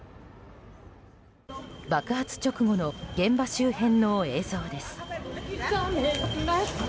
爆発直後の現場周辺の映像です。